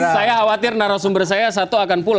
saya khawatir narasumber saya satu